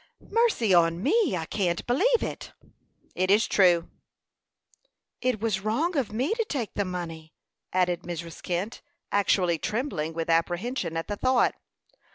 "Mercy on me! I can't believe it." "It is true." "It was wrong of me to take the money," added Mrs. Kent, actually trembling with apprehension at the thought.